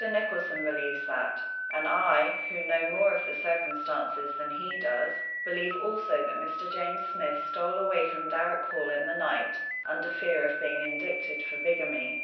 Nicholson believes that; and I, who know more of the circumstances than he does, believe also that Mr. James Smith stole away from Darrock Hall in the night under fear of being indicted for bigamy.